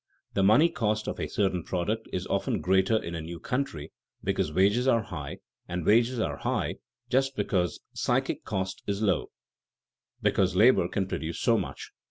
The money cost of a certain product is often greater in a new country because wages are high, and wages are high just because psychic cost is low, that is, because labor can produce so much.